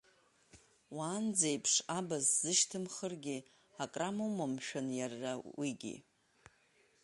Уаанӡеиԥш, абаз сзышьҭымхыргьы, акрамоума, мшәан, иара уигьы.